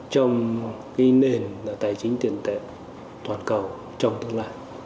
trong nền tài chính tiền tệ toàn cầu trong tương lai